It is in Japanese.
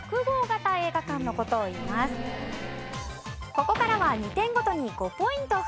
ここからは２点ごとに５ポイント増えます。